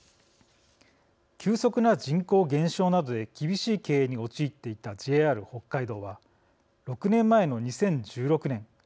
急速な人口減少などで厳しい経営に陥っていたＪＲ北海道は６年前の２０１６年